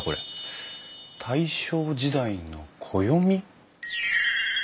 大正時代の暦？